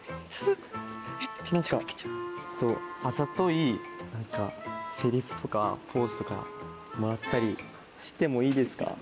何かあざといセリフとかポーズとかもらったりしてもいいですか？